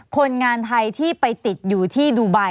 คนงานไทยที่ไปติดอยู่ที่ดูไบ